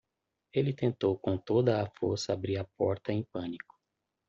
Ele tentou com toda a força abrir a porta em pânico.